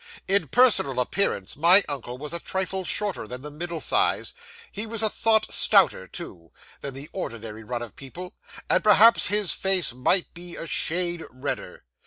'In personal appearance, my uncle was a trifle shorter than the middle size; he was a thought stouter too, than the ordinary run of people, and perhaps his face might be a shade redder.